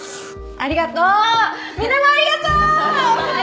ありがとう！